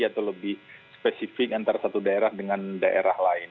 atau lebih spesifik antara satu daerah dengan daerah lain